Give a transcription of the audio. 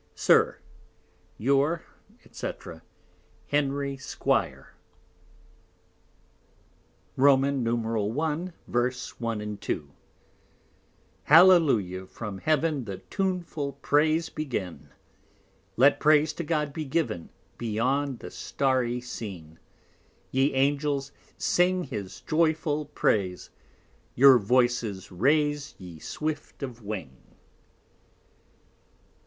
SIR, Your, &c. Henry Squier. I. Verse 1, 2 _Hallelujah: From Heav'n The tuneful Praise begin; Let Praise to God be giv'n Beyond the Starry Scene: Ye Angels sing His joyful Praise; Your Voices raise Ye swift of Wing.